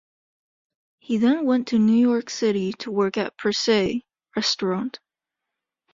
He then went to New York City to work at Per Se (restaurant).